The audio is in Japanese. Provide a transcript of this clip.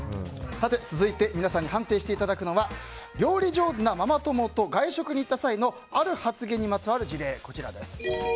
続いて皆さんに判定していただくのは料理上手なママ友と外食に行った際のある発言にまつわる事例。